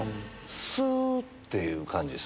すーっていう感じです。